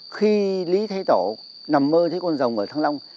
khi lý thái tổ nằm mơ thấy con rồng ở thăng long